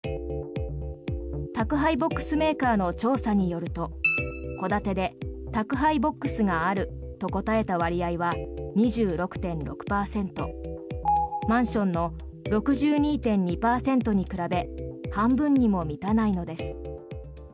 宅配ボックスメーカーの調査によると戸建てで宅配ボックスがあると答えた割合は２６．６％マンションの６２．２％に比べ半分にも満たないのです。